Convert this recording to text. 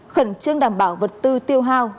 khẩn trương đảm bảo vật tư tiêu hao